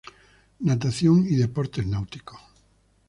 Natación y Deportes Náuticos.